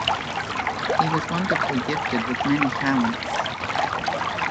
He was wonderfully gifted with many talents.